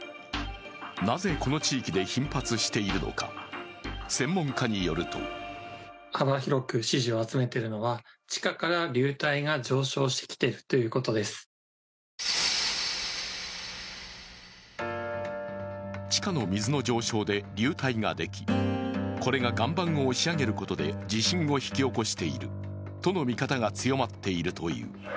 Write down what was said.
なぜこの地域で頻発しているのか、専門家によると地下の水の上昇で流体ができ、これが岩盤を押し上げることで地震を引き起こしているとの見方が強まっているという。